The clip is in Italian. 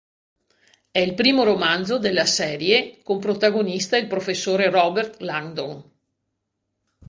È il primo romanzo della serie con protagonista il professore Robert Langdon.